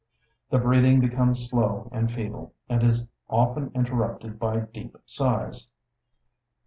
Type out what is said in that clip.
The breathing becomes slow and feeble, and is often interrupted by deep sighs.